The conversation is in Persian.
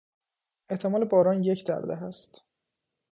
احتمال باران یک در ده است.